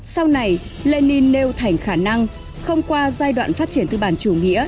sau này lenin nêu thành khả năng không qua giai đoạn phát triển tư bản chủ nghĩa